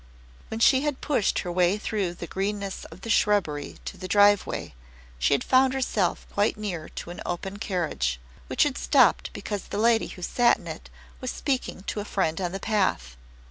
When she had pushed her way through the greenness of the shrubbery to the driveway she had found herself quite near to an open carriage, which had stopped because the lady who sat in it was speaking to a friend on the path.